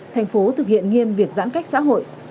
thành phố thực hiện nghiêm việc giãn cách xã hội